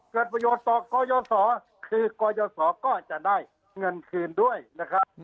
เกิดประโยชน์ต่อกรยศคือกรยศก็จะได้เงินคืนด้วยนะครับ